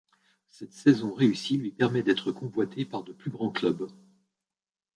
Cette saison réussie lui permet d'être convoité par de plus grands clubs.